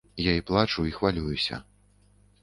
Я і плачу, і хвалююся.